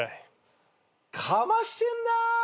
かましてんな。